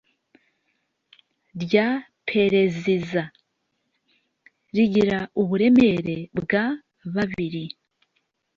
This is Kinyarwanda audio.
rya pereziza rigira uburemere bwa babiri